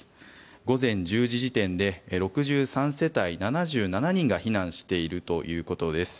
午前１０時点で６３世帯７７人が避難しているということです。